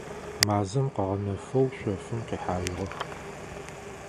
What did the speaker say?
Мазэм къыгъэнэфэу шъофым къихьажьыгъэх.